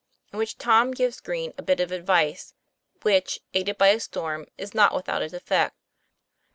IN WHICH TOM GIVES GREEN A BIT OF ADVICE, WHICH, AIDED BY A STORM, IS NOT WITHOUT ITS EFFECT.